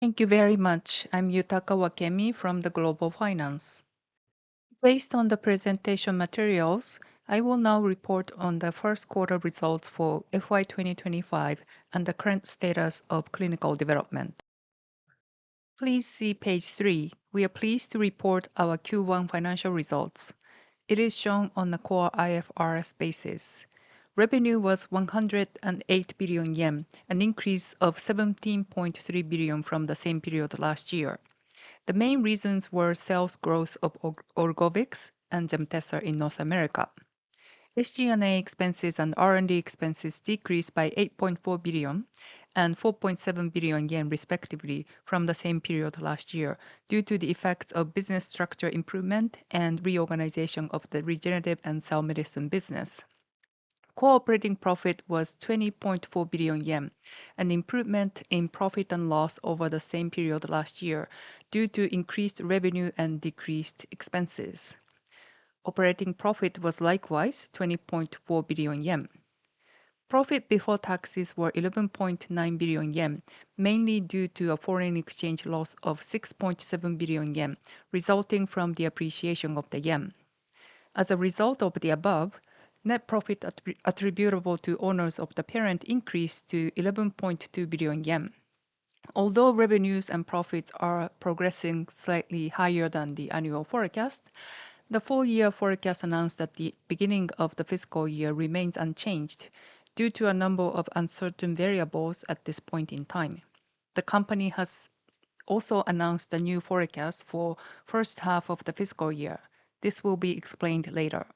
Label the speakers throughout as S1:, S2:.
S1: Thank you very much. I'm Yutaka Wakemi from Global Finance. Based on the presentation materials, I will now report on the first quarter results for FY 2025 and the current status of clinical development. Please see page three. We are pleased to report our Q1 Financial Results. It is shown on the core IFRS basis revenue was 108 billion yen, an increase of 17.3 billion from the same period last year. The main reasons were sales growth of ORGOVYX and GEMTESA in North America. SG&A expenses and R&D expenses decreased by 8.4 billion and 4.7 billion yen respectively from the same period last year due to the effects of business structure improvement and reorganization of the regenerative and cell medicine business. Core operating profit was 20.4 billion yen, an improvement in profit and loss over the same period last year due to increased revenue and decreased expenses. Operating profit was likewise 20.4 billion yen. Profit before taxes was 11.9 billion yen mainly due to a foreign exchange loss of 6.7 billion yen resulting from the appreciation of the yen. As a result of the above, net profit attributable to owners of the parent increased to 11.2 billion yen. Although revenues and profits are progressing slightly higher than the annual forecast, the full year forecast announced at the beginning of the fiscal year remains unchanged due to a number of uncertain variables at this point in time. The company has also announced a new forecast for the first half of the fiscal year. This will be explained later.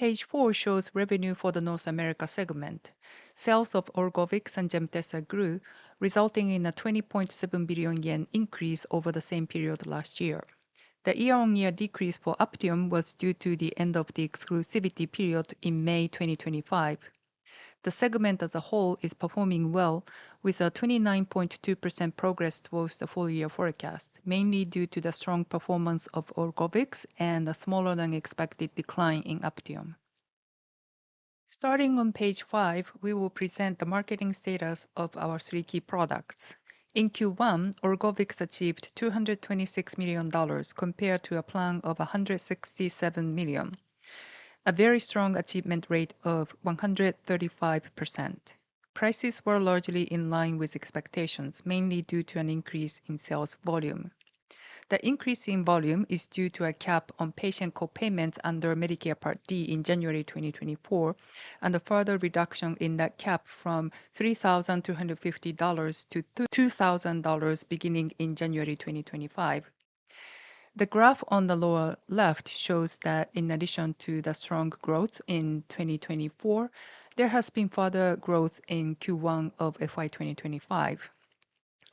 S1: Page four shows revenue for the North America segment. Sales of ORGOVYX and GEMTESA grew, resulting in a 20.7 billion yen increase over the same period last year. The year-on-year decrease for APTIOM was due to the end of the exclusivity period in May 2025. The segment as a whole is performing well with a 29.2% progress towards the full year forecast, mainly due to the strong performance of ORGOVYX and a smaller than expected decline in APTIOM. Starting on page five, we will present the marketing status of our three key products. In Q1, ORGOVYX achieved $226 million compared to a plan of $167 million, a very strong achievement rate of 135%. Prices were largely in line with expectations mainly due to an increase in sales volume. The increase in volume is due to a cap on patient co-payments under Medicare Part D in January 2024 and a further reduction in net cap from $3,250-$2,000 by 2025. The graph on the lower left shows that in addition to the strong growth in 2024, there has been further growth in Q1 of FY 2025.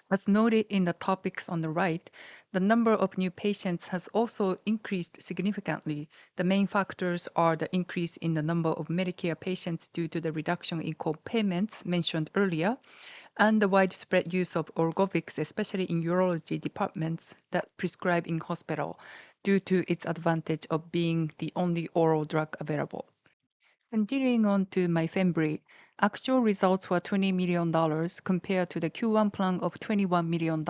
S1: As noted in the topics on the right, the number of new patients has also increased significantly. The main factors are the increase in the number of Medicare patients due to the reduction in co-payments mentioned earlier and the widespread use of ORGOVYX, especially in urology departments that prescribe in hospital due to its advantage of being the only oral drug available. Continuing on to MYFEMBREE, actual results were $20 million compared to the Q1 plan of $21 million.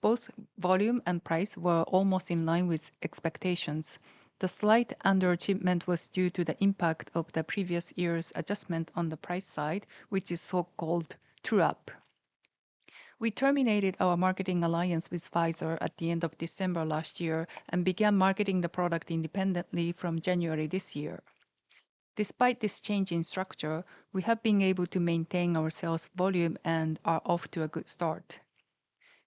S1: Both volume and price were almost in line with expectations. The slight underachievement was due to the impact of the previous year's adjustment on the price side, which is so-called true up. We terminated our marketing alliance with Pfizer at the end of December last year and began marketing the product independently from January this year. Despite this change in structure, we have been able to maintain our sales volume and are off to a good start.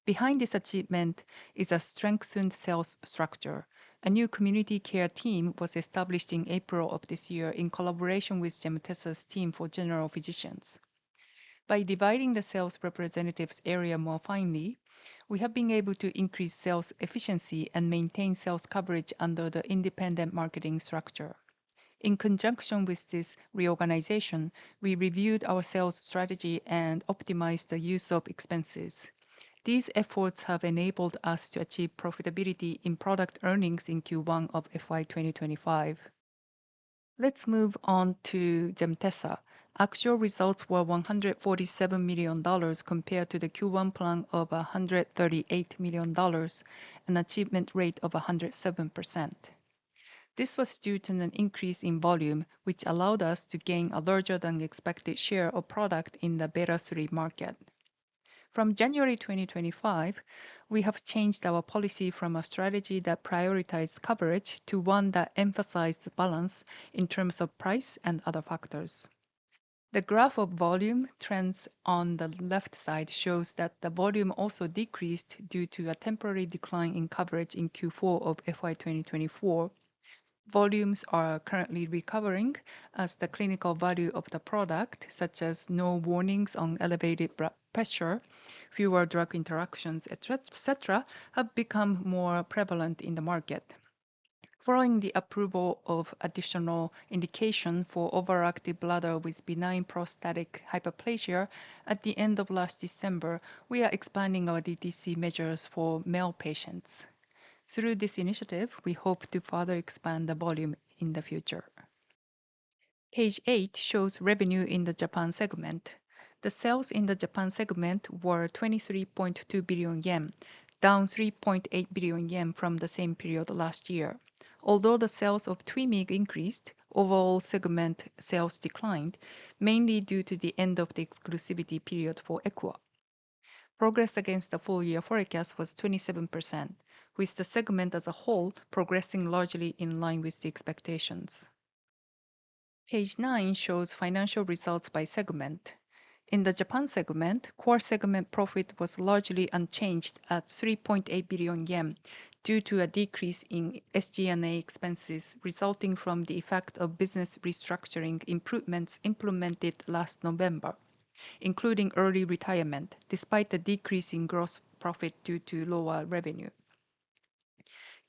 S1: Behind this achievement is a strengthened sales structure. A new community care team was established in April of this year in collaboration with GEMTESA's team for general physicians. By dividing the sales representatives' area more finely, we have been able to increase sales efficiency and maintain sales coverage under the independent marketing structure. In conjunction with this reorganization, we reviewed our sales strategy and optimized the use of expenses. These efforts have enabled us to achieve profitability in product earnings in Q1 of FY 2025. Let's move on to GEMTESA. Actual results were $147 million compared to the Q1 plan of $138 million, an achievement rate of 107%. This was due to an increase in volume which allowed us to gain a larger than expected share of product in the beta-3 market. From January 2025, we have changed our policy from a strategy that prioritized coverage to one that emphasized balance in terms of other factors. The graph of volume trends on the left side shows that the volume also decreased due to a temporary decline in coverage in Q4 of FY 2024. Volumes are currently recovering as the clinical value of the product, such as no warnings on elevated pressure, fewer drug interactions, etc., have become more prevalent in the market. Following the approval of additional indication for overactive bladder with benign prostatic hyperplasia at the end of last December, we are expanding our DTC measures for male patients. Through this initiative, we hope to further expand the volume in the future. Page eight shows revenue in the Japan segment. The sales in the Japan segment were 23.2 billion yen, down 3.8 billion yen from the same period last year. Although the sales of TWYMEEG increased, overall, segment sales declined mainly due to the end of the exclusivity period for APTIOM. Progress against the full year forecast was 27%, with the segment as a whole progressing largely in line with the expectations. Page nine shows financial results by segment. In the Japan segment, core segment profit was largely unchanged at 3.8 billion yen due to a decrease in SG&A expenses resulting from the effect of business restructuring improvements implemented last November, including early retirement. Despite the decrease in gross profit due to lower revenue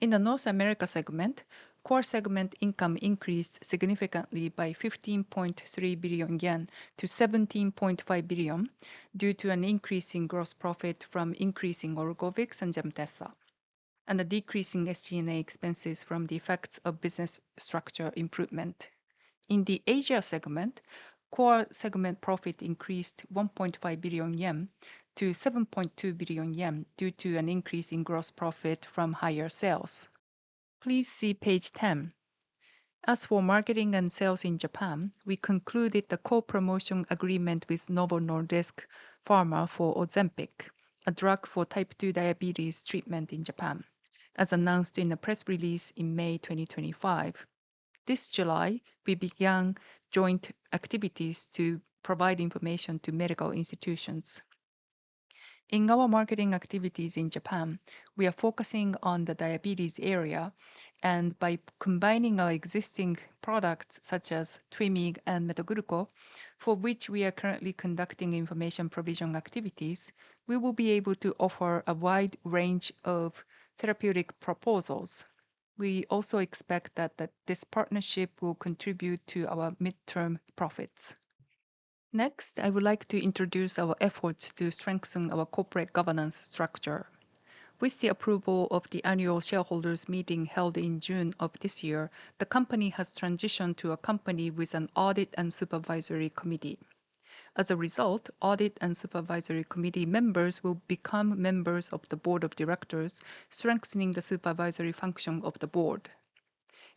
S1: in the North America segment, core segment income increased significantly by 15.3 billion-17.5 billion yen due to an increase in gross profit from increasing ORGOVYX and GEMTESA and the decreasing SG&A expenses from the effects of business structure improvement. In the Asia segment, core segment profit increased 1.5 billion yen to 7.2 billion yen due to an increase in gross profit from higher sales. Please see page 10. As for marketing and sales in Japan, we concluded the co-promotion agreement with Novo Nordisk Pharma for Ozempic, a drug for Type 2 Diabetes treatment in Japan, as announced in a press release in May 2025. This July we began joint activities to provide information to medical institutions. In our marketing activities in Japan, we are focusing on the diabetes area and by combining our existing products such as TWYMEEG and METGLUCO, for which we are currently conducting information provision activities, we will be able to offer a wide range of therapeutic proposals. We also expect that this partnership will contribute to our mid-term profits. Next, I would like to introduce our efforts to strengthen our corporate governance structure. With the approval of the annual shareholders meeting held in June of this year, the company has transitioned to a company with an Audit and Supervisory Committee. As a result, Audit and Supervisory Committee members will become members of the Board of Directors, strengthening the supervisory function of the Board.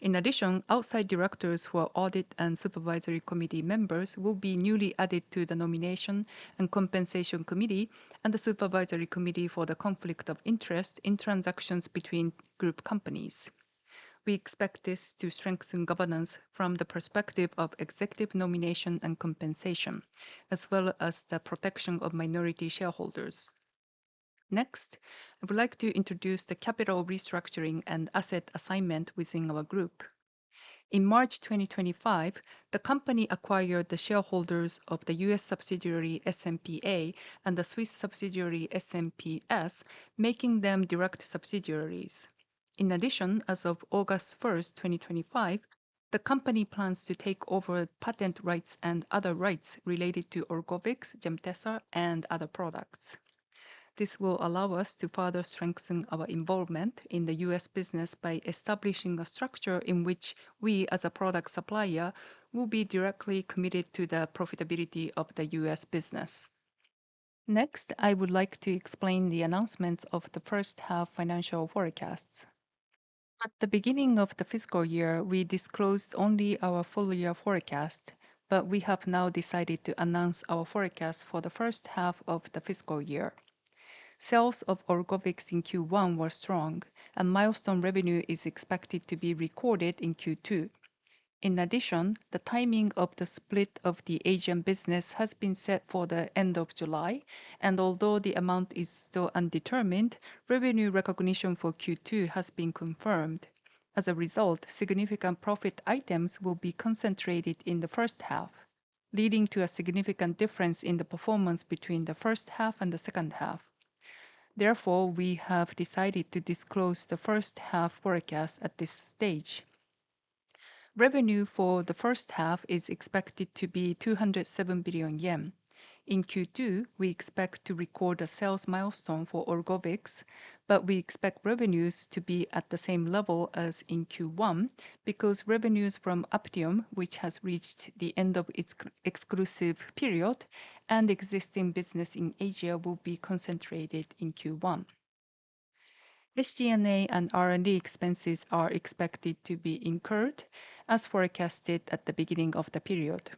S1: In addition, outside directors who are Audit and Supervisory Committee members will be newly added to the Nomination and Compensation Committee and the Supervisory Committee for the Conflict of Interest in transactions between Group Companies. We expect this to strengthen governance from the perspective of executive nomination and compensation, as well as the protection of minority shareholders. Next, I would like to introduce the capital restructuring and asset assignment within our group. In March 2025, the company acquired the shareholders of the U.S. subsidiary SMPA and the Swiss subsidiary SMPS, making them direct subsidiaries. In addition, as of August 1, 2025, the company plans to take over patent rights and other rights related to ORGOVYX, GEMTESA, and other products. This will allow us to further strengthen our involvement in the U.S. business by establishing a structure in which we, as a product supplier, will be directly committed to the profitability of the U.S. business. Next, I would like to explain the announcements of the first half financial forecasts. At the beginning of the fiscal year, we disclosed only our full year forecast, but we have now decided to announce our forecast for the first half of the fiscal year. Sales of ORGOVYX in Q1 were strong and milestone revenue is expected to be recorded in Q2. In addition, the timing of the split of the Asia business has been set for the end of July and although the amount is still undetermined, revenue recognition for Q2 has been confirmed. As a result, significant profit items will be concentrated in the first half, leading to a significant difference in the performance between the first half and the second half. Therefore, we have decided to disclose the first half forecast. At this stage, revenue for the first half is expected to be 207 billion yen. In Q2, we expect to record a sales milestone for ORGOVYX, but we expect revenues to be at the same level as in Q1 because revenues from APTIOM, which has reached the end of its exclusive period, and existing business in Asia will be concentrated in Q1. SG&A and R&D expenses are expected to be incurred as forecasted at the beginning of the period.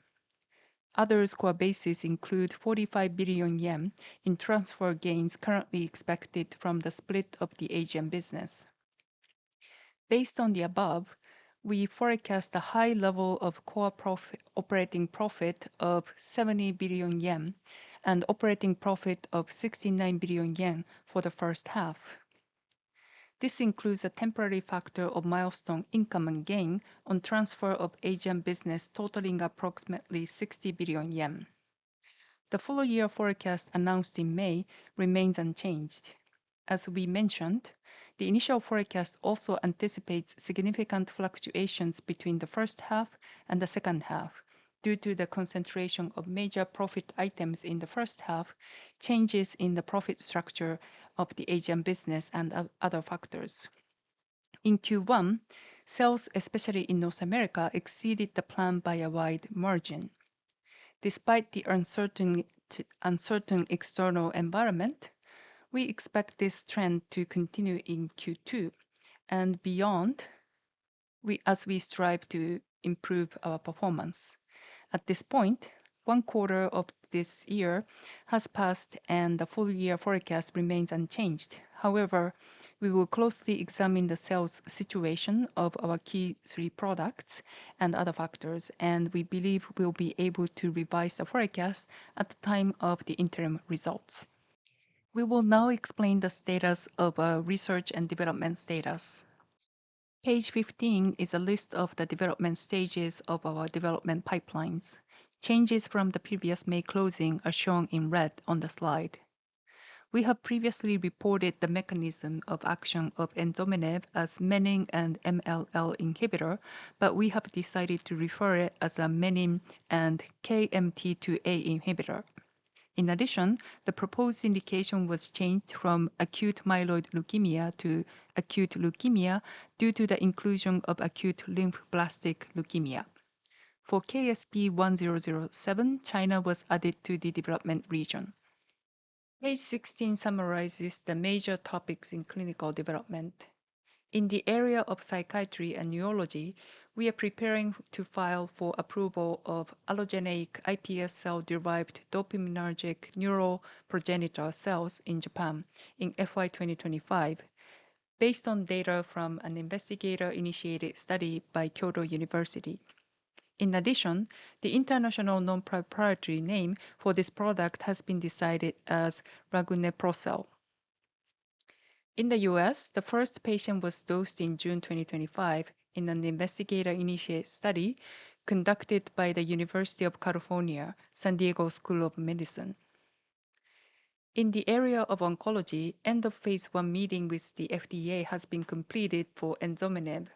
S1: Other core bases include 45 billion yen in transfer gains currently expected from the split of the AGM business. Based on the above, we forecast a high level of core operating profit of 70 billion yen and operating profit of 69 billion yen for the first half. This includes a temporary factor of milestone income and gain on transfer of Asian business totaling approximately 60 billion yen. The full year forecast announced in May remains unchanged. As we mentioned, the initial forecast also anticipates significant fluctuations between the first half and the second half due to the concentration of major profit items in the first half, changes in the profit structure of the AGM business, and other factors. In Q1, sales, especially in North America, exceeded the plan by a wide margin. Despite the uncertain external environment, we expect this trend to continue in Q2 and beyond as we strive to improve our performance. At this point, 1/4 of this year has passed and the full-year forecast remains unchanged. However, we will closely examine the sales situation of our key three products and other factors, and we believe we'll be able to revise the forecast at the time of the interim results. We will now explain the status of research and development status. Page 15 is a list of the development stages of our development pipelines. Changes from the previous May closing are shown in red on the slide. We have previously reported the mechanism of action of enzominib as Menin and MLL inhibitor, but we have decided to refer to it as a Menin and KMT2A inhibitor. In addition, the proposed indication was changed from acute myeloid leukemia to acute leukemia due to the inclusion of acute lymphoblastic leukemia for KSP-1007. China was added to the development region. Page 16 summarizes the major topics in clinical development in the area of psychiatry and neurology. We are preparing to file for approval of allogeneic iPS cell derivative dopaminergic neural progenitor cells in Japan in FY 2025 based on data from an investigator-initiated study by Kyoto University. In addition, the international nonproprietary name for this product has been decided as raguneprocel. In the U.S., the first patient was dosed in June 2025 in an investigator-initiated study conducted by the University of California San Diego School of Medicine. In the area of oncology, End-of-phase 1 meeting with the FDA has been completed for enzominib,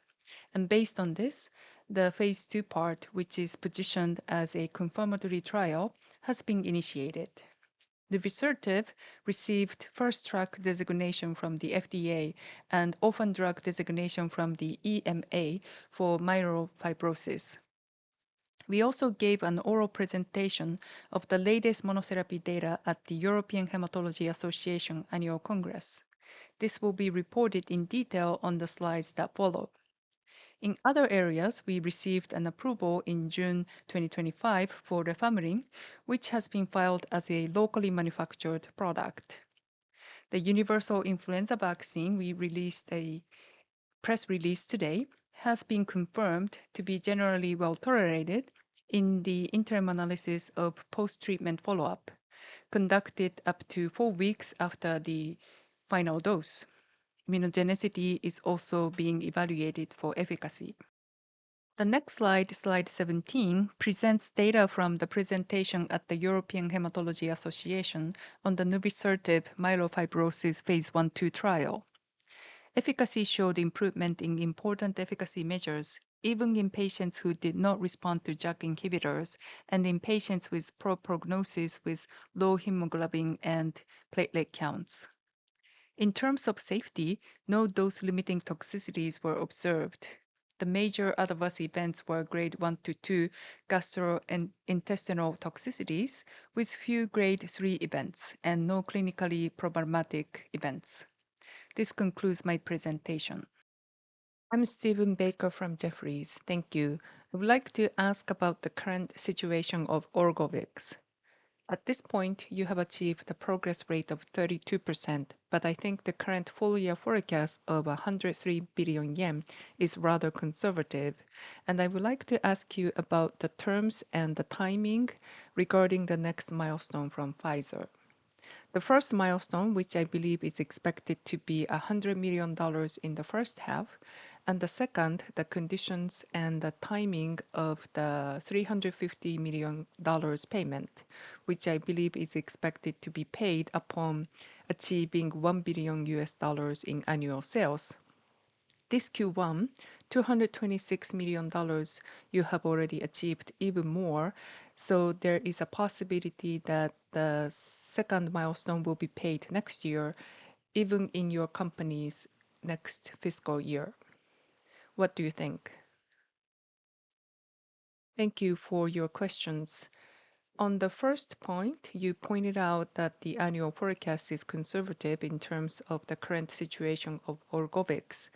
S1: and based on this, the phase 2 part, which is positioned as a confirmatory trial, has been initiated. The Nuvisertib received first track designation from the FDA and Orphan Drug Designation from the EMA for myelofibrosis. We also gave an oral presentation of the latest monotherapy data at the European Hematology Association Annual Congress. This will be reported in detail on the slides that follow in other areas. We received an approval in June 2025 for lefamulin which has been filed as a locally manufactured product. The Universal Influenza Vaccine we released a press release today has been confirmed to be generally well tolerated in the interim analysis of post treatment follow up conducted up to four weeks after the final dose. Immunogenicity is also being evaluated for efficacy. The next slide, slide 17, presents data from the presentation at the European Hematology Association on the nuvisertib myelofibrosis phase 1/2 trial. Efficacy showed improvement in important efficacy measures even in patients who did not respond to JAK inhibitors and in patients with poor prognosis with low hemoglobin and platelet counts. In terms of safety, no dose limiting toxicities were observed. The major adverse events were Grade 1 to 2 gastrointestinal toxicities with few Grade 3 events and no clinically problematic events. This concludes my presentation.
S2: I'm Stephen Barker from Jefferies.
S1: Thank you.
S2: I would like to ask about the current situation of ORGOVYX. At this point, you have achieved a progress rate of 32%. I think the current full year forecast of 103 billion yen is rather conservative. I would like to ask you about the terms and the timing regarding the next milestone from Pfizer. The first milestone, which I believe is expected to be $100 million in the first half. The second, the conditions and the timing of the $350 million payment, which I believe is expected to be paid upon achieving $1 billion in annual sales. This Q1, $226 million. You have already achieved even more. There is a possibility that the second milestone will be paid next year, even in your company's next fiscal year. What do you think?
S1: Thank you for your questions. On the first point, you pointed out that the annual forecast is conservative in terms of the current situation of ORGOVYX.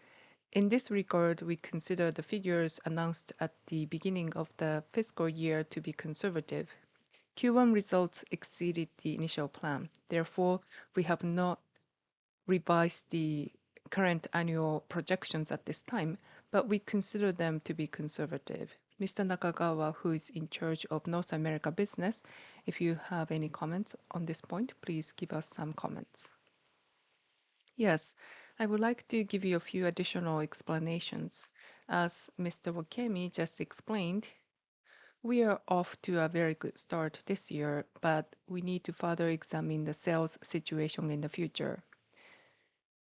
S1: In this regard, we consider the figures announced at the beginning of the fiscal year to be conservative. Q1 results exceeded the initial plan. Therefore, we have not revised the current annual projections at this time, but we consider them to be conservative. Mr. Nakagawa, who is in charge of North America business, if you have any comments on this point, please give us some comments.
S3: Yes, I would like to give you a few additional explanations. As Mr. Wakemi just explained, we are off to a very good start this year, but we need to further examine the sales situation in the future.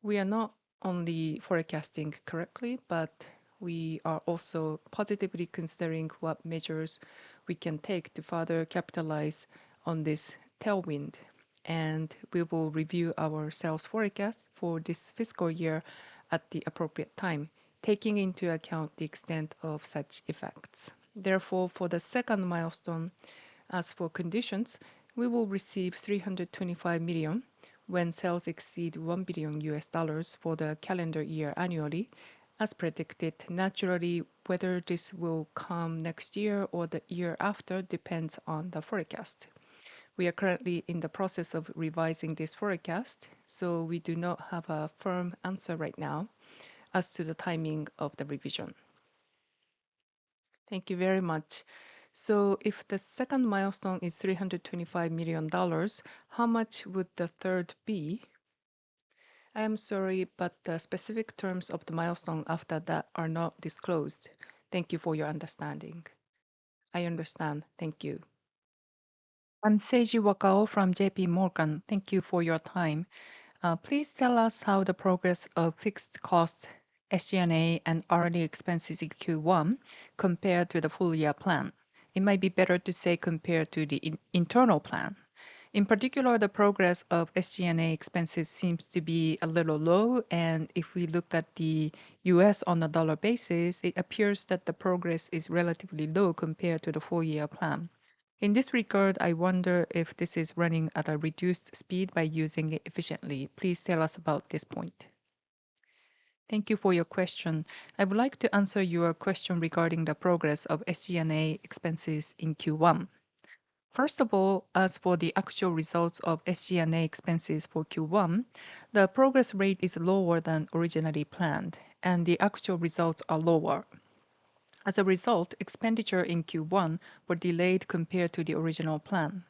S3: We are not only forecasting correctly, but we are also positively considering what measures we can take to further capitalize on this tailwind. We will review our sales forecast for this fiscal year at the appropriate time, taking into account the extent of such effects. Therefore, for the second milestone, as for conditions, we will receive $325 million when sales exceed $1 billion for the calendar year annually, as predicted. Naturally, whether this will come next year or the year after depends on the forecast. We are currently in the process of revising this forecast, so we do not have a firm answer right now as to the timing of the revision.
S2: Thank you very much. If the second milestone is $325 million, how much would the third be?
S3: I am sorry, but the specific terms of the milestone after that are not disclosed. Thank you for your understanding.
S2: I understand. Thank you.
S4: I'm Seiji Wakao from JPMorgan. Thank you for your time. Please tell us how the progress of fixed cost, SG&A and R&D expenses in Q1 compared to the full year plan. It might be better to say compared to the internal plan. In particular, the progress of SG&A expenses seems to be a little low. If we look at the U.S. on a dollar basis, it appears that the progress is relatively low compared to the full year plan in this regard. I wonder if this is running at a reduced speed by using it efficiently. Please tell us about this point.
S1: Thank you for your question. I would like to answer your question regarding the progress of SG&A expenses in Q1. First of all, as for the actual results of SG&A expenses for Q1, the progress rate is lower than originally planned and the actual results are lower. As a result, expenditures in Q1 were delayed compared to the original plan.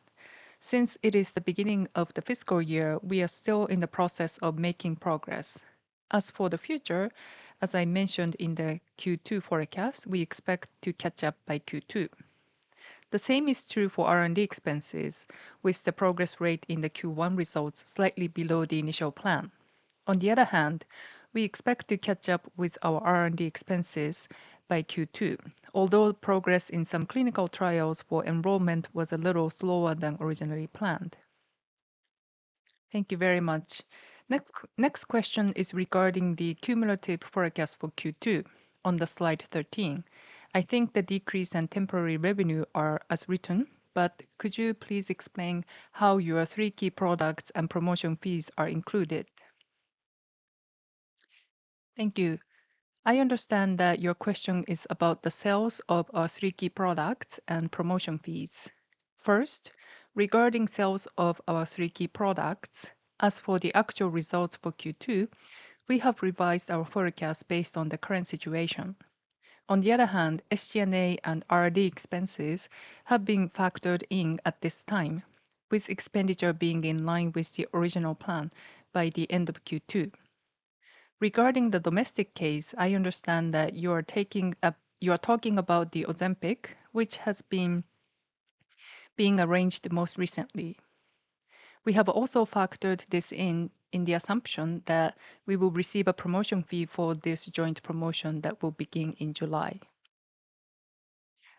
S1: Since it is the beginning of the fiscal year, we are still in the process of making progress. As for the future, as I mentioned in the Q2 forecast, we expect to catch up by Q2. The same is true for R&D expenses with the progress rate in the Q1 results slightly below the initial plan. On the other hand, we expect to catch up with our R&D expenses by Q2, although progress in some clinical trials for enrollment was a little slower than originally planned.
S4: Thank you very much. Next question is regarding the cumulative forecast for Q2 on slide 13. I think the decrease in temporary revenue is as written, but could you please explain how your three key products and promotion fees are included?
S1: Thank you. I understand that your question is about the sales of our three key products and promotion fees. First, regarding sales of our three key products, as for the actual results for Q2, we have revised our forecast based on the current situation. On the other hand, SG&A and R&D expenses have been factored in at this time with expenditure being in line with the original plan by the end of Q2. Regarding the domestic case, I understand that you are talking about Ozempic, which has been being arranged most recently. We have also factored this in, in the assumption that we will receive a promotion fee for this joint promotion that will begin in July.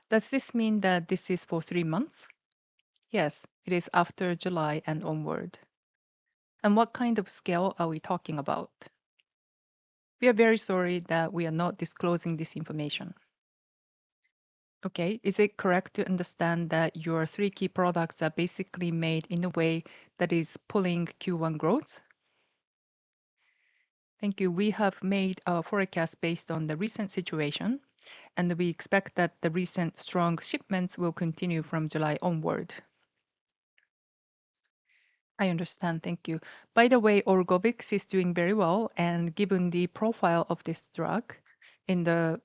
S4: Does this mean that this is for three months?
S1: Yes, it is after July and onward.
S4: What kind of scale are we talking about?
S1: We are very sorry that we are not disclosing this information.
S4: Okay. Is it correct to understand that your three key products are basically made in a way that is pulling Q1 growth?
S1: Thank you. We have made a forecast based on the recent situation and we expect that the recent strong shipments will continue from July onward.
S4: I understand. Thank you. By the way, ORGOVYX is doing very well and given the profile of this drug in the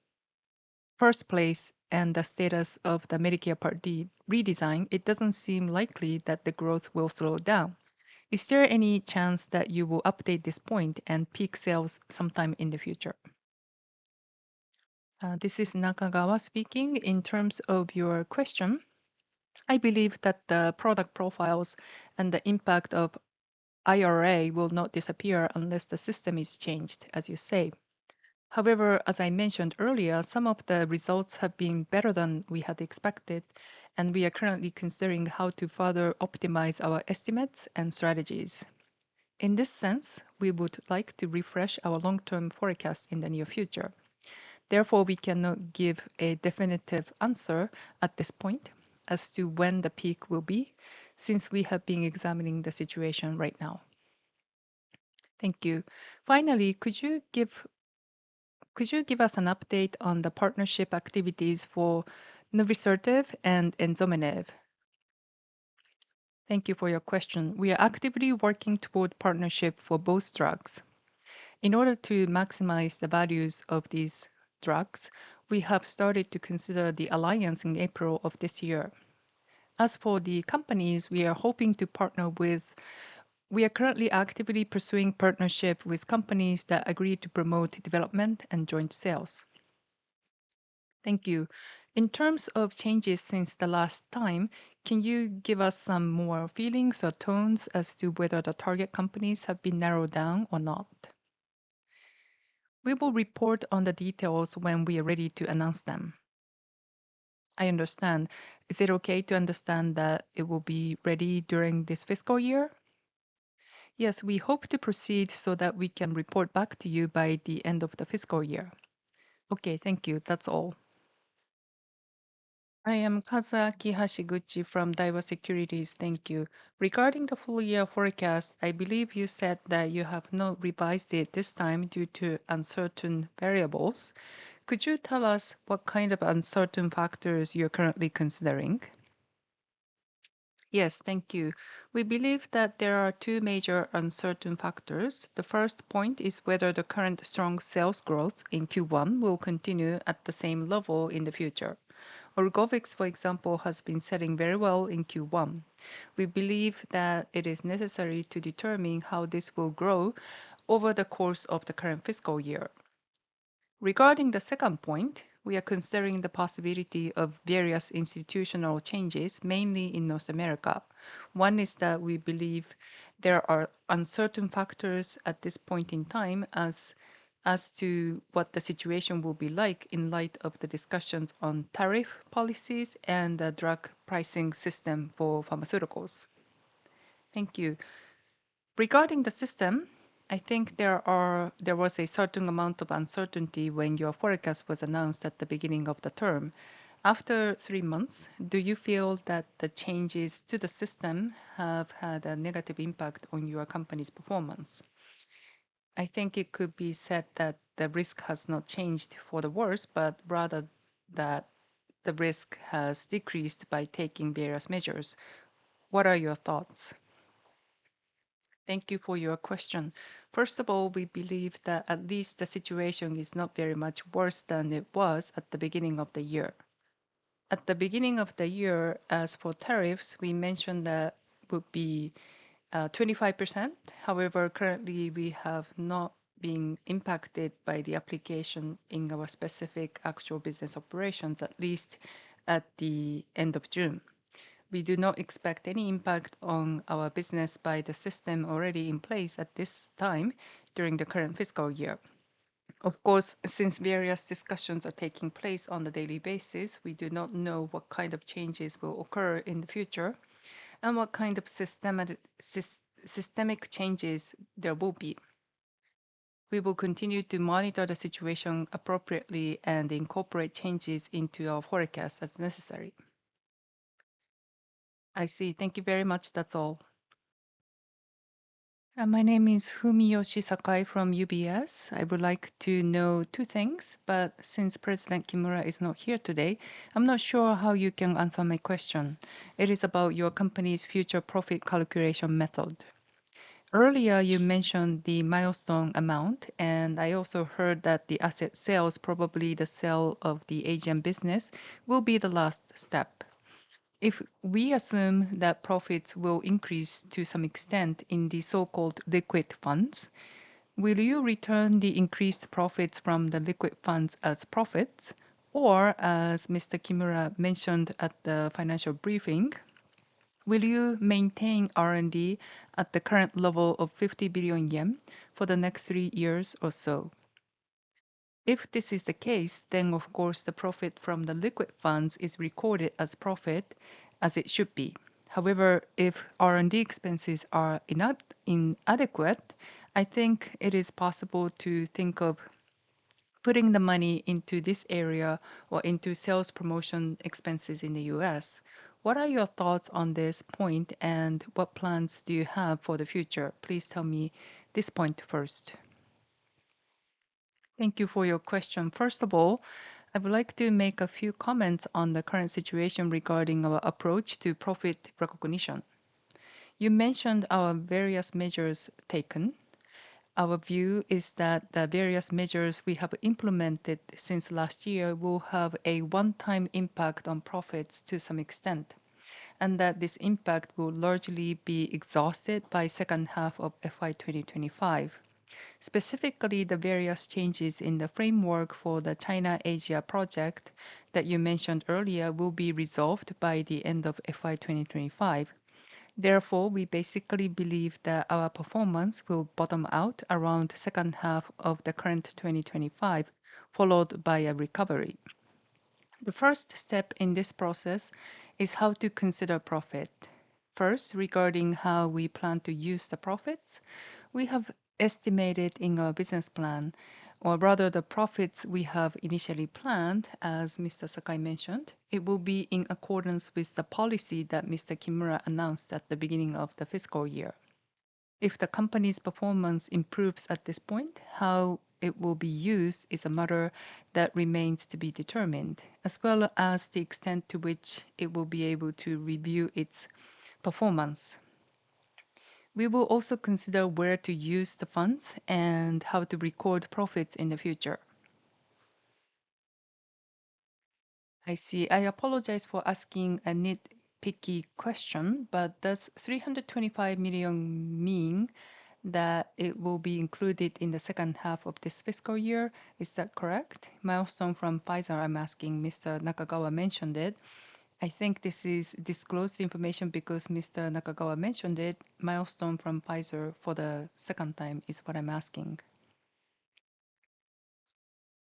S4: first place and the status of the Medicare Part D redesign, it doesn't seem likely that the growth will slow down. Is there any chance that you will update this point and peak sales sometime in the future?
S3: This is Nakagawa speaking. In terms of your question, I believe that the product profiles and the impact of IRA will not disappear unless the system is changed, as you say. However, as I mentioned earlier, some of the results have been better than we had expected, and we are currently considering how to further optimize our estimates and strategies. In this sense, we would like to refresh our long-term forecast in the near future. Therefore, we cannot give a definitive answer at this point as to when the peak will be, since we have been examining the situation right now.
S4: Thank you. Finally, could you give us an update on the partnership activities for nuvisertib and enzomenib?
S3: Thank you for your question. We are actively working toward partnership for both drugs in order to maximize the values of these drugs. We have started to consider the alliance in April of this year. As for the companies we are hoping to partner with, we are currently actively pursuing partnership with companies that agree to promote development and joint sales.
S4: Thank you. In terms of changes since the last time, can you give us some more feelings or tones as to whether the target companies have been narrowed down or not?
S3: We will report on the details when we are ready to announce them.
S4: I understand. Is it okay to understand that it will be ready during this fiscal year?
S3: Yes, we hope to proceed so that we can report back to you by the end of the fiscal year.
S4: Okay, thank you. That's all.
S5: I am Kazuaki Hashiguchi from Daiwa Securities. Thank you. Regarding the full year forecast, I believe you said that you have not revised it this time due to uncertain variables. Could you tell us what kind of uncertain factors you're currently considering?
S1: Yes. Thank you. We believe that there are two major uncertain factors. The first point is whether the current strong sales growth in Q1 will continue at the same level in the future. ORGOVYX, for example, has been selling very well in Q1. We believe that it is necessary to determine how this will grow over the course of the current fiscal year. Regarding the second point, we are considering the possibility of various institutional changes, mainly in North America. One is that we believe there are uncertain factors at this point in time as to what the situation will be like in light of the discussions on tariff policies and the drug pricing system for pharmaceuticals.
S5: Thank you. Regarding the system, I think there was a certain amount of uncertainty when your forecast was announced at the beginning of the term. After three months, do you feel that the changes to the system have had a negative impact on your company's performance? I think it could be said that the risk has not changed for the worse, but rather that the risk has decreased by taking various measures. What are your thoughts?
S1: Thank you for your question. First of all, we believe that at least the situation is not very much worse than it was at the beginning of the year. At the beginning of the year? As for tariffs, we mentioned that would be 25%. However, currently we have not been impacted by the application in our specific actual business operations. At least at the end of June, we do not expect any impact on our business by the system already in place at this time during the current fiscal year. Of course, since various discussions are taking place on a daily basis, we do not know what kind of changes will occur in the future and what kind of systemic changes there will be. We will continue to monitor the situation appropriately and incorporate changes into our forecast as necessary.
S5: I see. Thank you very much. That's all.
S6: My name is Fumiyoshi Sakai from UBS. I would like to know two things, but since President Kimura is not here today, I'm not sure how you can answer my question. It is about your company's future profit calculation method. Earlier you mentioned the milestone amount and I also heard that the asset sales, probably the sale of the AGM business, will be the last step. If we assume that profits will increase to some extent in the so-called liquid funds, will you return the increased profits from the liquid funds as profit? Or as Mr. Kimura mentioned at the financial briefing, will you maintain R&D at the current level of 50 billion yen for the next three years or so? If this is the case, then of course the profit from the liquid funds is recorded as profit as it should be. However, if R&D expenses are inadequate, I think it is possible to think of putting the money into this area or into sales promotion expenses in the U.S. What are your thoughts on this point and what plans do you have for the future? Please tell me this point first.
S1: Thank you for your question. First of all, I would like to make a few comments on the current situation regarding our approach to profit recognition. You mentioned our various measures taken. Our view is that the various measures we have implemented since last year will have a one-time impact on profits to some extent and that this impact will largely be exhausted by the second half of FY 2025. Specifically, the various changes in the framework for the China Asia project that you mentioned earlier will be resolved by the end of FY 2025. Therefore, we basically believe that our performance will bottom out around the second half of 2025, followed by a recovery. The first step in this process is how to consider profit. First, regarding how we plan to use the profits we have estimated in our business plan, or rather the profits we have initially planned. As Mr. Sakai mentioned, it will be in accordance with the policy that Mr. Kimura announced at the beginning of the fiscal year. If the company's performance improves at this point, how it will be used is a matter that remains to be determined, as well as the extent to which it will be able to review its performance. We will also consider where to use the funds and how to record profits in the future.
S6: I see. I apologize for asking a nitpicky question, but does $325 million mean that it will be included in the second half of this fiscal year? Is that correct? Milestone from Pfizer? I'm asking. Mr. Nakagawa mentioned it. I think this is disclosed information because Mr. Nakagawa mentioned it. Milestone from Pfizer for the second time is what I'm asking.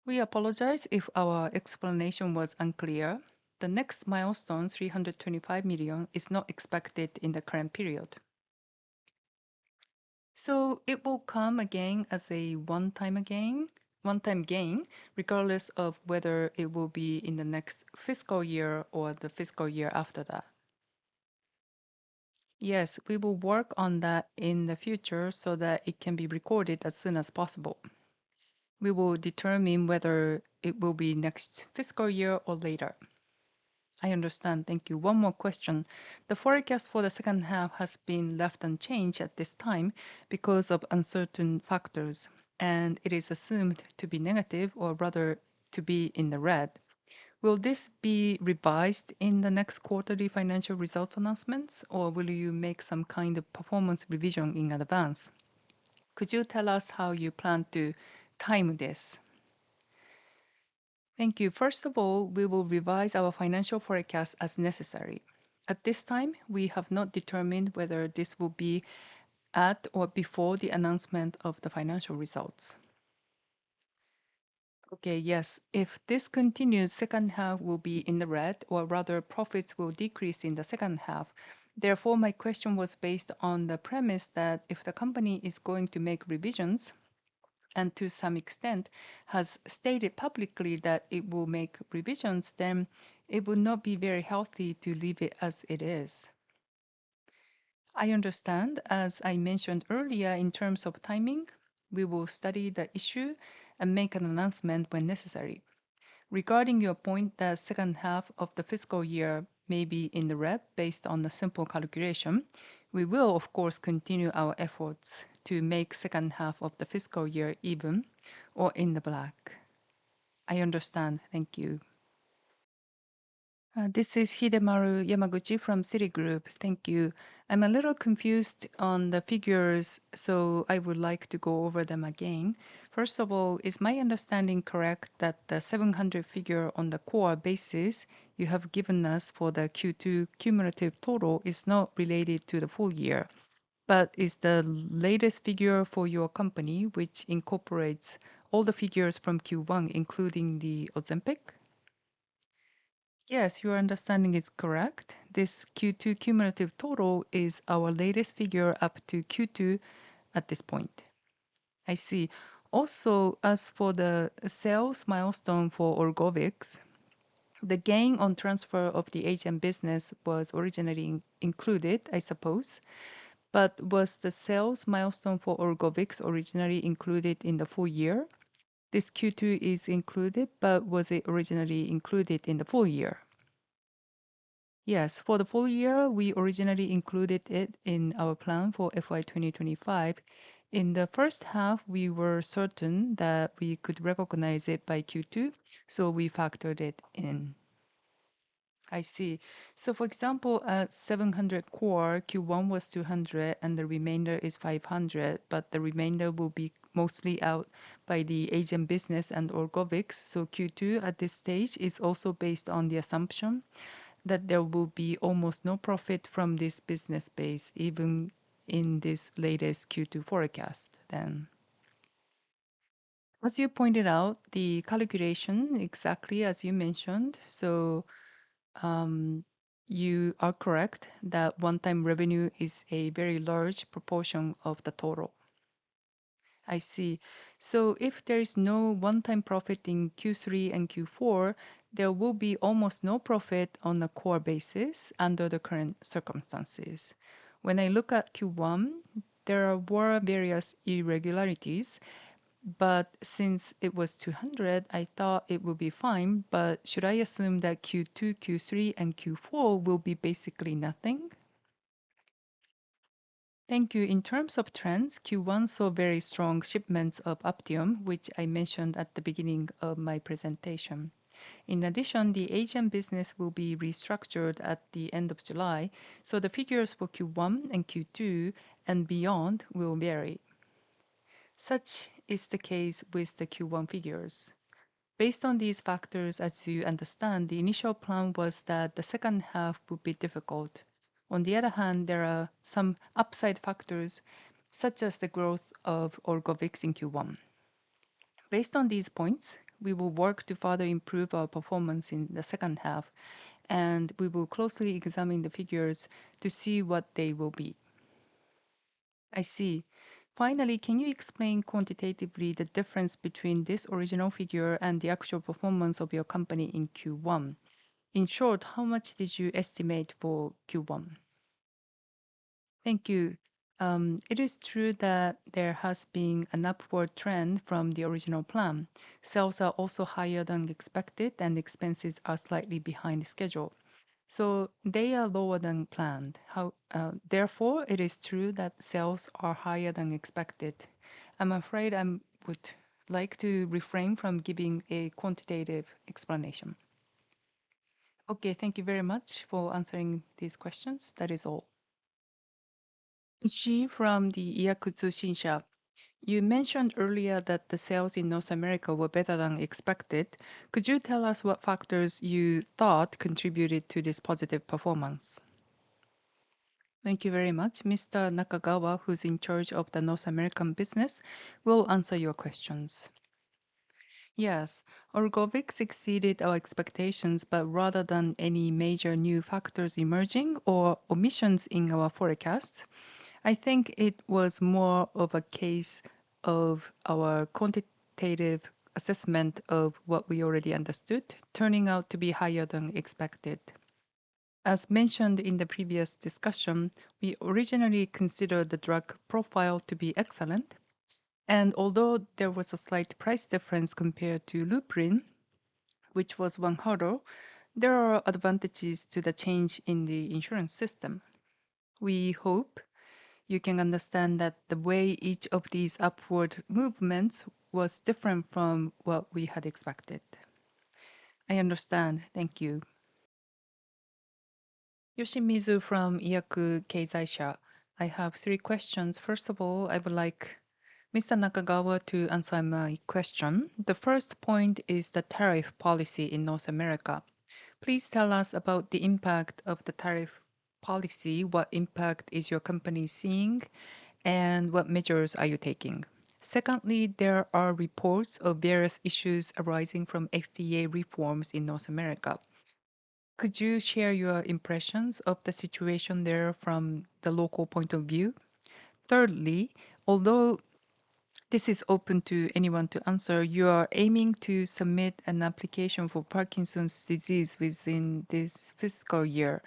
S1: We apologize if our explanation was unclear. The next milestone, $325 million, is not expected in the current period.
S6: It will come again as a one-time gain regardless of whether it will be in the next fiscal year or the fiscal year after that.
S1: Yes, we will work on that in the future so that it can be recorded as soon as possible. We will determine whether it will be next fiscal year or later.
S6: I understand. Thank you. One more question. The forecast for the second half has been left unchanged at this time because of uncertain factors and it is assumed to be negative or rather to be in the red. Will this be revised in the next quarterly financial results announcements? Or will you make some kind of performance revision in advance? Could you tell us how you plan to time this?
S1: Thank you. First of all, we will revise our financial forecast as necessary. At this time, we have not determined whether this will be at or before the announcement of the financial results.
S6: Okay? Yes. If discontinued, second half will be in the red, or rather, profits will decrease in the second half. Therefore, my question was based on the premise that if the company is going to make revisions, and to some extent has stated publicly that it will make revisions, then it would not be very healthy to leave it as it is.
S1: I understand. As I mentioned earlier, in terms of timing, we will study the issue and make an announcement when necessary. Regarding your point, the second half of the fiscal year may be in the red. Based on the simple calculation, we will of course continue our efforts to make the second half of the fiscal year even or in the black.
S6: I understand. Thank you.
S7: This is Hidemaru Yamaguchi from Citigroup. Thank you. I'm a little confused on the figures, so I would like to go over them again. First of all, is my understanding correct that the 700 figure on the core basis you have given us for the Q2 cumulative total is not related to the full year, but is the latest figure for your company which incorporates all the figures from Q1, including the Ozempic?
S1: Yes, your understanding is correct. This Q2 cumulative total is our latest figure up to Q2 at this point.
S7: I see. Also, as for the sales milestone for ORGOVYX, the gain on transfer of the AGM business was originally included, I suppose. Was the sales milestone for ORGOVYX originally included in the full year? This Q2 is included, but was it originally included in the full year?
S1: Yes, for the full year. We originally included it in our plan for FY2025. In the first half, we were certain that we could recognize it by Q2, so we factored it in.
S7: I see. For example, at 700 core, Q1 was 200 and the remainder is 500. The remainder will be mostly out by the Asian business and ORGOVYX. Q2 at this stage is also based on the assumption that there will be almost no profit from this business base even in this latest Q2 forecast.
S1: As you pointed out, the calculation is exactly as you mentioned. You are correct that one-time revenue is a very large proportion of the total.
S7: I see. If there is no one-time profit in Q3 and Q4, there will be almost no profit on a core basis under the current circumstances. When I look at Q1, there were various irregularities, but since it was 200, I thought it would be fine. Should I assume that Q2, Q3, and Q4 will be basically nothing?
S1: Thank you. In terms of trends, Q1 saw very strong shipments of APTIOM, which I mentioned at the beginning of my presentation. In addition, the Asian business will be restructured at the end of July, so the figures for Q1 and Q2 and beyond will vary. Such is the case with the Q1 figures. Based on these factors. As you understand, the initial plan was that the second half would be difficult. On the other hand, there are some upside factors, such as the growth of ORGOVYX in Q1. Based on these points, we will work to further improve our performance in the second half and we will closely examine the figures to see what they will be.
S7: I see. Finally, can you explain quantitatively the difference between this original figure and the actual performance of your company in Q1? In short, how much did you estimate for Q1?
S1: Thank you. It is true that there has been an upward trend from the original plan. Sales are also higher than expected, and expenses are slightly behind schedule, so they are lower than planned. Therefore, it is true that sales are higher than expected. I'm afraid I would like to refrain from giving a quantitative explanation.
S7: Okay. Thank you very much for answering these questions. That is all. Ishii from the Iyaku Tsushinsha. You mentioned earlier that the sales in North America were better than expected. Could you tell us what factors you thought contributed to this positive performance?
S1: Thank you very much. Mr. Nakagawa, who's in charge of the North America business, will answer your questions.
S3: Yes, ORGOVYX exceeded our expectations. Rather than any major new factors emerging or omissions in our forecast, I think it was more of a case of our quantitative assessment of what we already understood turning out to be higher than expected. As mentioned in the previous discussion, we originally considered the drug profile to be excellent. Although there was a slight price difference compared to Luprin, which was one hurdle, there are advantages to the change in the insurance system. We hope you can understand that the way each of these upward movements was different from what we had expected. I understand. Thank you. Yoshimizu from Iyaku Keizaisha. I have three questions. First of all, I would like Mr. Nakagawa to answer my question. The first point is the tariff policy in North America. Please tell us about the impact of the tariff policy. What impact is your company seeing and what measures are you taking? Secondly, there are reports of various issues arising from FDA reforms in North America. Could you share your impressions of the situation there from the local point of view? Thirdly, although this is open to anyone to answer, you are aiming to submit an application for Parkinson's disease within this fiscal year.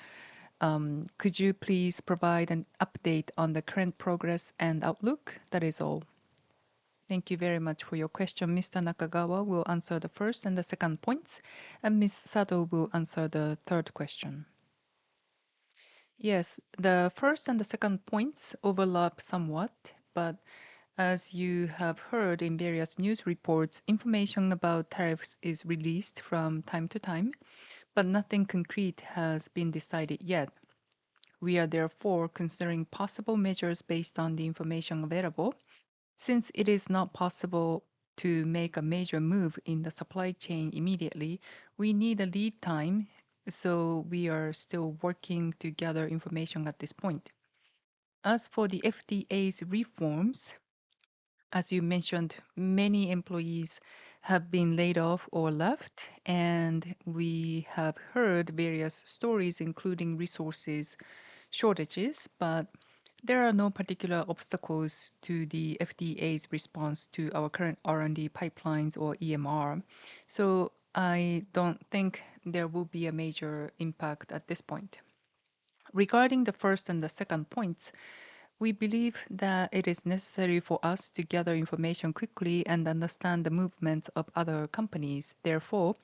S3: Could you please provide an update on the current progress and outlook? That is all.
S1: Thank you very much for your question. Mr. Nakagawa will answer the first and the second points, and Ms. Sato will answer the third question.
S3: Yes, the first and the second points overlap somewhat, but as you have heard in various news reports, information about tariffs is released from time to time, but nothing concrete has been decided yet. We are therefore considering possible measures based on the information available. Since it is not possible to make a major move in the supply chain immediately, we need a lead time. We are still working to gather information at this point. As for the FDA's reforms, as you mentioned, many employees have been laid off or left. We have heard various stories, including resource shortages. There are no particular obstacles to the FDA's response to our current R&D pipelines or EMR. I don't think there will be a major impact at this point. Regarding the first and the second points, we believe that it is necessary for us to gather information quickly and understand the movements of other companies. Therefore,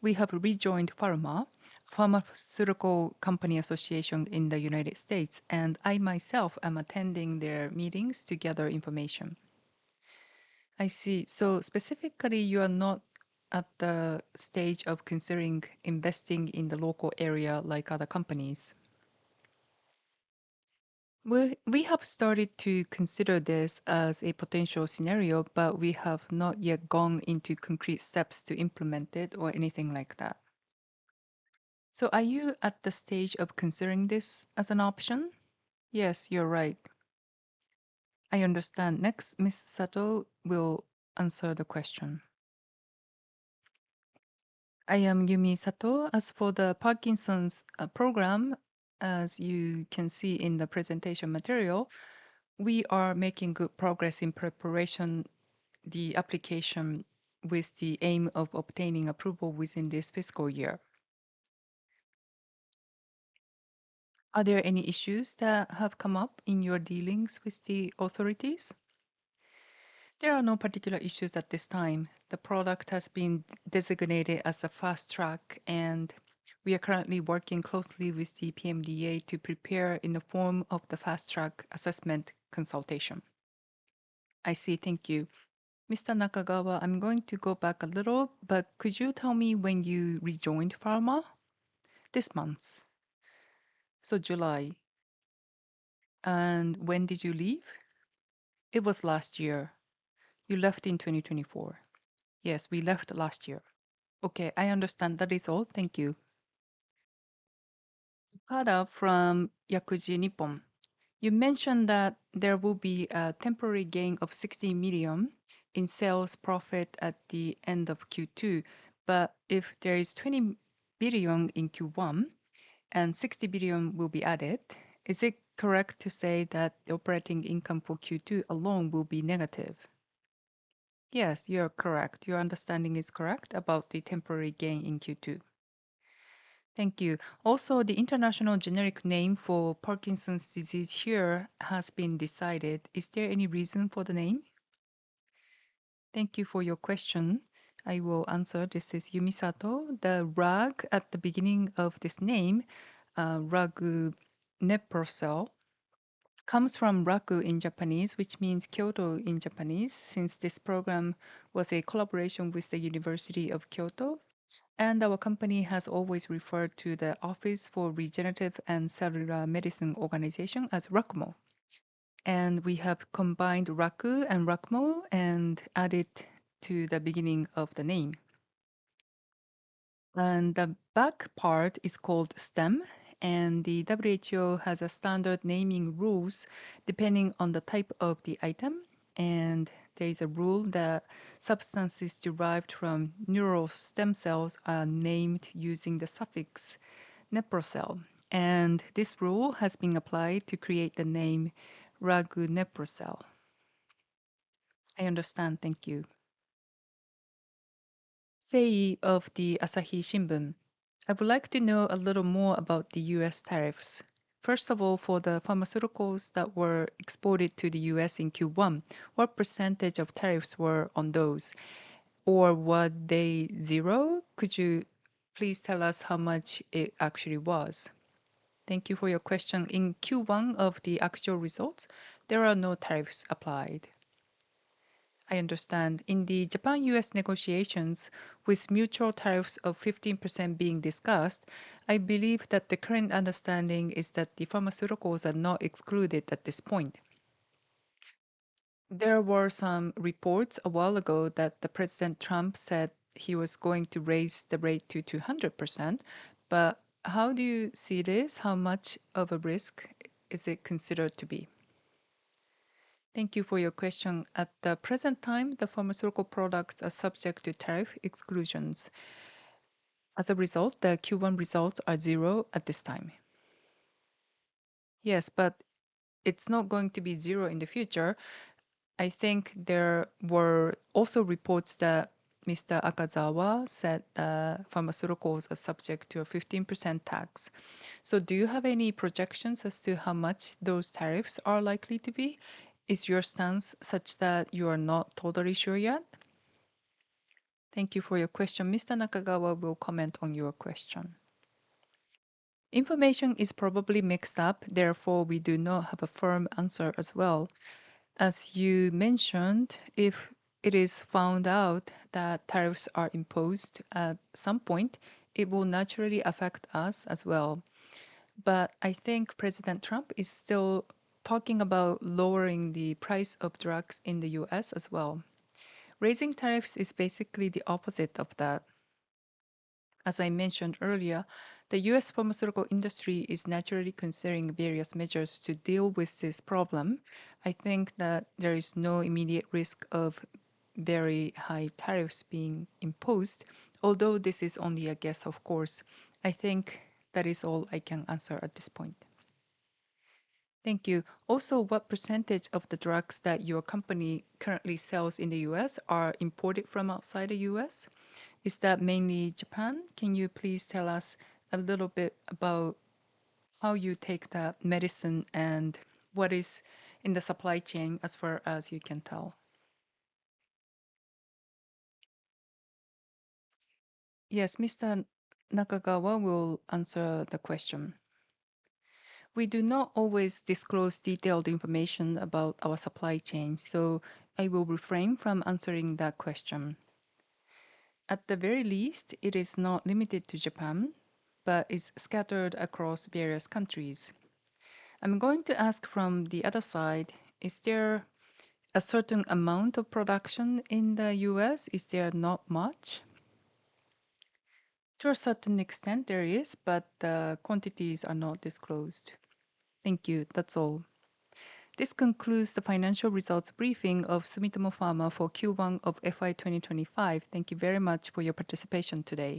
S3: we have rejoined the pharmaceutical company association in the United States and I myself am attending their meetings to gather information. I see. Specifically, you are not at the stage of considering investing in the local area like other companies. We have started to consider this as a potential scenario, but we have not yet gone into concrete steps to implement it or anything like that. Are you at the stage of considering this as an option? Yes, you're right. I understand.
S1: Next, Ms. Sato will answer the question.
S8: I am Yumi Sato. As for the Parkinson's program, as you can see in the presentation material, we are making good progress in preparation for the application with the aim of obtaining approval within this fiscal year. Are there any issues that have come up in your dealings with the authorities? There are no particular issues at this time. The product has been designated as a fast track and we are currently working closely with the PMDA to prepare in the form of the fast track assessment consultation. I see. Thank you. Mr. Nakagawa, I'm going to go back a little, but could you tell me when you rejoined the pharmaceutical association this month?
S3: July. When did you leave? It was last year. You left in 2024? Yes, we left last year. Okay, I understand. That is all. Thank you. From Yakuji Nippo, you mentioned that there will be a temporary gain of $60 million in sales profit at the end of Q2. If there is $20 billion in Q1 and $60 billion will be added, is it correct to say that the operating income for Q2 alone will be negative?
S1: Yes, you are correct. Your understanding is correct about the temporary gain in Q2. Thank you. Also, the international generic name for Parkinson's disease here has been decided. Is there any reason for the name?
S8: Thank you for your question. I will answer. This is Yumi Sato, the rag at the beginning of this name. raguneprocel comes from raku in Japanese, which means Kyoto in Japanese. Since this program was a collaboration with the University of Kyoto and our company has always referred to the Office for Regenerative and Cellular Medicine Organization as RACMO. We have combined raku and RACMO and added to the beginning of the name, and the back part is called stem, and the WHO has standard naming rules depending on the type of the item. There is a rule that substances derived from neural stem cells are named using the suffix neprocel, and this rule has been applied to create the name raguneprocel. I understand. Thank you. Seii of the Asahi Shimbun, I would like to know a little more about the U.S. tariffs. First of all, for the pharmaceuticals that were exported to the U.S. in Q1, what percentage of tariffs were on or were they zero? Could you please tell us how much it actually was?
S1: Thank you for your question. In Q1 of the actual results, there are no tariffs applied. I understand. In the Japan-U.S. negotiations with mutual tariffs of 15% being discussed, I believe that the current understanding is that the pharmaceuticals are not excluded at this point. There were some reports a while ago that President Trump said he was going to raise the rate to 200%. How do you see this? How much of a risk is it considered to be? Thank you for your question. At the present time, the pharmaceutical products are subject to tariff exclusions. As a result, the Q1 results are zero at this time. Yes, but it's not going to be zero in the future, I think. There were also reports that Mr. Akazawa said the pharmaceuticals are subject to a 15% tax. Do you have any projections as to how much those tariffs are likely to be? Is your stance such that you are not totally sure yet? Thank you for your question. Mr. Nakagawa will comment on your question.
S3: Information is probably mixed up, therefore we do not have a firm answer as well. As you mentioned, if it is found out that tariffs are imposed at some point, it will naturally affect us as well. I think President Trump is still talking about lowering the price of drugs in the U.S. as well. Raising tariffs is basically the opposite of that. As I mentioned earlier, the U.S. pharmaceutical industry is naturally considering various measures to deal with this problem. I think that there is no immediate risk of very high tariffs being imposed, although this is only a guess, of course. I think that is all I can answer at this point. Thank you. Also, what % of the drugs that your company currently sells in the U.S. are imported from outside the U.S.? Is that mainly Japan? Can you please tell us a little bit about how you take that medicine and what is in the supply chain as far as you can tell?
S1: Yes, Mr. Nakagawa will answer the question.
S3: We do not always disclose detailed information about our supply chain, so I will refrain from answering that question. At the very least, it is not limited to Japan, but is scattered across various countries. I'm going to ask from the other side, is there a certain amount of production in the U.S.? Is there not much? To a certain extent there is, but the quantities are not disclosed. Thank you. That's all.
S1: This concludes the financial results briefing of Sumitomo Pharma for Q1 of FY 2025. Thank you very much for your participation today.